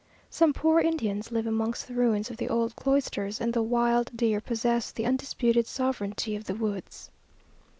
Some poor Indians live amongst the ruins of the old cloisters, and the wild deer possess the undisputed sovereignty of the woods.